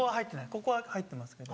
ここは入ってますけど。